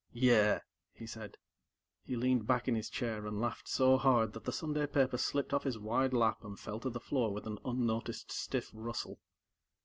"Yeah," he said. He leaned back in his chair and laughed so hard that the Sunday paper slipped off his wide lap and fell to the floor with an unnoticed stiff rustle.